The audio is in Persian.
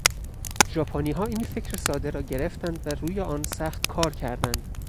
ژاپنیها این فکر ساده را گرفتند و روی آن سخت کار کردند.